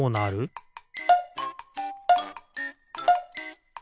ピッ！